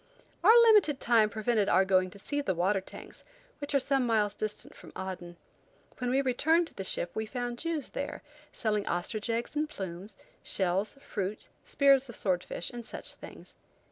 Our limited time prevented our going to see the water tanks, which are some miles distant from Aden. When we returned to the ship we found Jews there, selling ostrich eggs and plumes, shells, fruit, spears of sword fish, and such things.